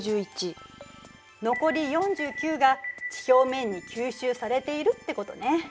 残り４９が地表面に吸収されているってことね。